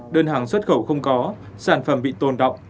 đơn hàng xuất khẩu không có sản phẩm bị tồn động